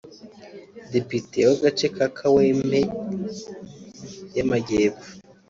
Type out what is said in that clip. depite w’agace ka Kawempe y’amajyepfo